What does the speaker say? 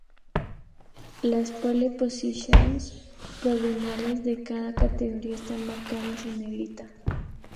Las "pole position"s provisionales de cada categoría están marcadas en negrita.